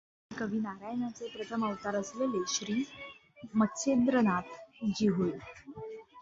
त्यातील कवी नारायणाचे प्रथम अवतार असलेले श्री मत्स्येंद्रनाथ जी होय.